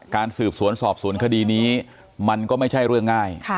สืบสวนสอบสวนคดีนี้มันก็ไม่ใช่เรื่องง่าย